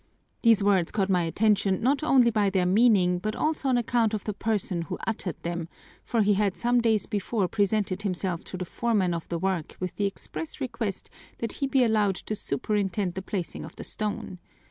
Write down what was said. These words caught my attention not only by their meaning but also on account of the person who uttered them, for he had some days before presented himself to the foreman on the work with the express request that he be allowed to superintend the placing of the stone.